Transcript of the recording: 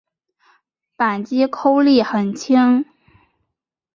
扳机扣力很轻。